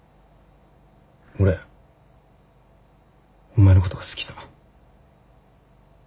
俺お前のことが好きだ。